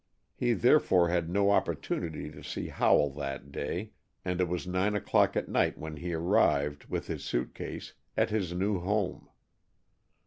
He therefore had no opportunity to see Howell that day, and it was nine o'clock at night when he arrived, with his suit case, at his new home.